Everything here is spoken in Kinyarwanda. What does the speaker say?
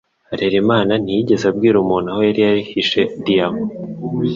Harerimana ntiyigeze abwira umuntu aho yari yihishe diyama.